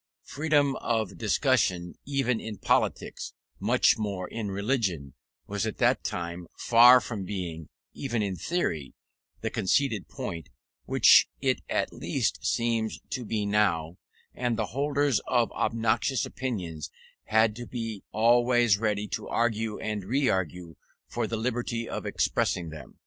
Freedom of discussion even in politics, much more in religion, was at that time far from being, even in theory, the conceded point which it at least seems to be now; and the holders of obnoxious opinions had to be always ready to argue and re argue for the liberty of expressing them.